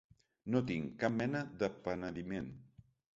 No tinc cap mena de penediment.